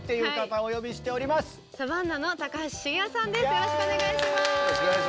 よろしくお願いします。